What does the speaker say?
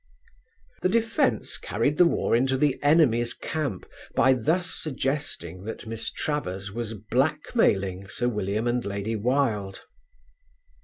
The defence carried the war into the enemy's camp by thus suggesting that Miss Travers was blackmailing Sir William and Lady Wilde.